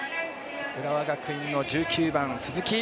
浦和学院の１９番・鈴木。